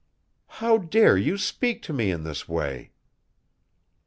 "How dare you speak to me in this way?"